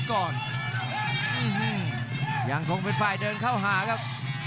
ร็อกดายปรีกครับ